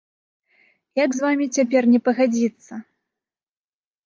Як з вамі цяпер не пагадзіцца?